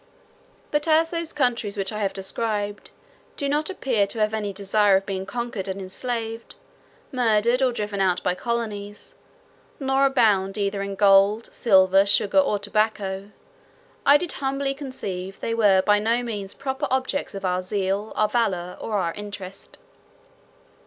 But as those countries which I have described do not appear to have any desire of being conquered and enslaved, murdered or driven out by colonies, nor abound either in gold, silver, sugar, or tobacco, I did humbly conceive, they were by no means proper objects of our zeal, our valour, or our interest.